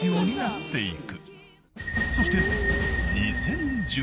［そして］